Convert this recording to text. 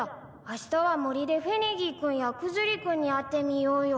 あしたは森でフェネギー君やクズリ君に会ってみようよ。